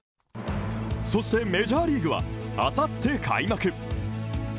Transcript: そしてメジャーリーグはあさって開幕！